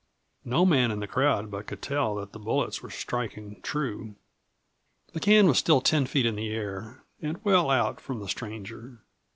No man in the crowd but could tell that the bullets were striking true. The can was still ten feet in the air and well out from the stranger.